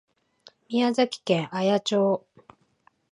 宮崎県綾町